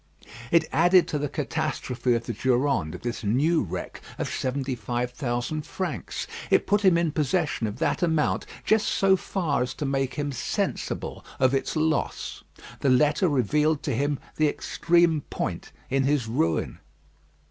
It added to the catastrophe of the Durande this new wreck of seventy five thousand francs. It put him in possession of that amount just so far as to make him sensible of its loss. The letter revealed to him the extreme point in his ruin.